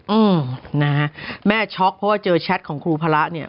อืมนะฮะแม่ช็อกเพราะว่าเจอแชทของครูพระเนี่ย